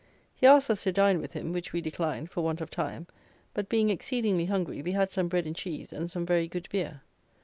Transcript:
He asked us to dine with him, which we declined, for want of time; but, being exceedingly hungry, we had some bread and cheese and some very good beer.